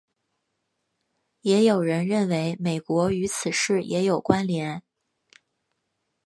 也有人认为美国与此事也有关连。